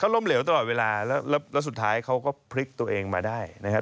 ล้มเหลวตลอดเวลาแล้วแล้วสุดท้ายเขาก็พลิกตัวเองมาได้นะครับ